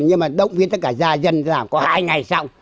nhưng mà động viên tất cả gia dân làm có hai ngày xong